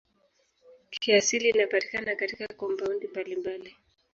Kiasili inapatikana katika kampaundi mbalimbali.